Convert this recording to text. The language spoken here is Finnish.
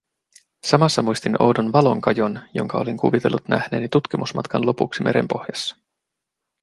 Samassa muistin oudon valonkajon, jonka olin kuvitellut nähneeni tutkimusmatkan lopuksi merenpohjassa.